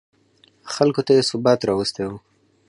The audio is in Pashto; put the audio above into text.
خلکو ته یې ثبات راوستی و.